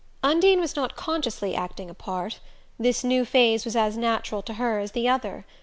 Undine was not consciously acting a part: this new phase was as natural to her as the other.